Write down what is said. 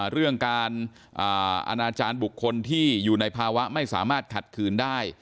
เรื่องการอนาจารย์บุคคลที่อยู่ในภาวะไม่สามารถขัดขืนได้